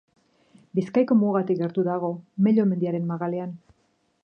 Bizkaiko mugatik gertu dago, Mello mendiaren magalean.